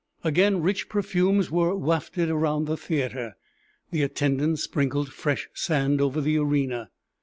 Again rich perfumes were wafted around the theatre; the attendants sprinkled fresh sand over the arena.